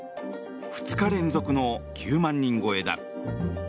２日連続の９万人超えだ。